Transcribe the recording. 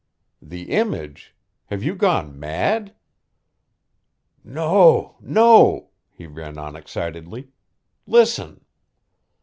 "The image? have you gone mad?" "No! No!" he ran on excitedly. "Listen!"